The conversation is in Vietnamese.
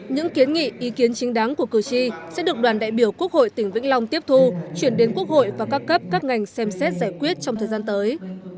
những kiến nghị ý kiến chính đáng của cử tri sẽ được đoàn đại biểu quốc hội tỉnh vĩnh long tiếp thu chuyển đến quốc hội và các cấp các ngành xem xét giải quyết trong thời gian tới